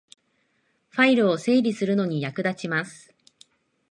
ファイルを整理するのに役立ちます